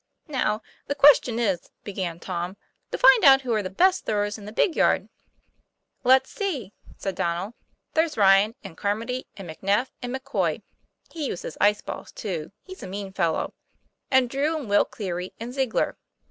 'Now, the question is," began Tom, "to find out who are the best throwers in the big yard." 'Let's see," said Donnel. "There's Ryan and Carmody and McNeff and McCoy (he uses ice balls, too; he's a mean fellow) and Drew and Will Cleary and Ziegler.